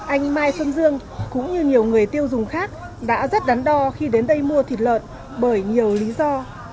anh mai xuân dương cũng như nhiều người tiêu dùng khác đã rất đắn đo khi đến đây mua thịt lợn bởi nhiều lý do